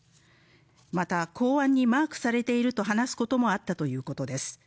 また公安にマークされていると話すこともあったということです